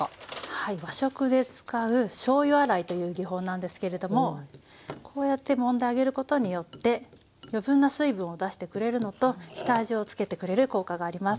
はい和食で使うしょうゆ洗いという技法なんですけれどもこうやってもんであげることによって余分な水分を出してくれるのと下味を付けてくれる効果があります。